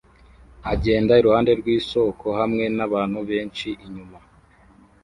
i agenda iruhande rwisoko hamwe nabantu benshi inyuma